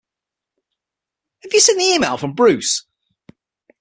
Have you seen the email from Bruce?